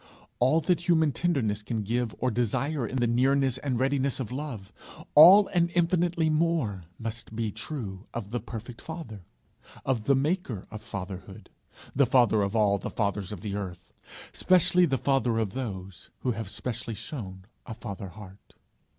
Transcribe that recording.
All that human tenderness can give or desire in the nearness and readiness of love, all and infinitely more must be true of the perfect Father of the maker of fatherhood, the Father of all the fathers of the earth, specially the Father of those who have specially shown a father heart.'